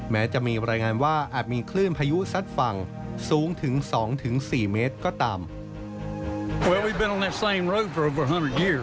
แม้จะมีรายงานว่าอาจมีคลื่นพายุซัดฝั่งสูงถึง๒๔เมตรก็ตาม